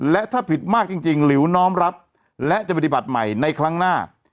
และถ้าผิดมากจริงหลิวน้อมรับและจะปฏิบัติใหม่ในครั้งหน้า